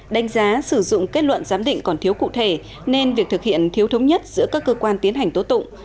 đánh giá sử dụng kết luận giám định còn thiếu cụ thể nên việc thực hiện thiếu thống nhất giữa các cơ quan tiến hành tố tụng